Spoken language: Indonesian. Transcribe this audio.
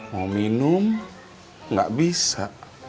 mau minum gak bisa